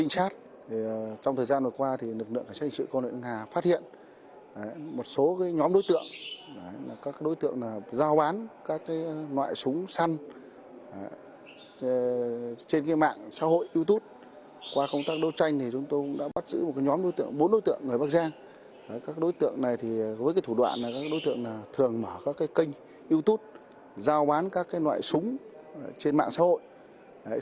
các đối tượng thường mở các kênh youtube giao bán các loại súng trên mạng xã hội